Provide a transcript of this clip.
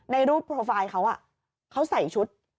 ในรูปโปรไฟล์เขาเขาใส่ชุด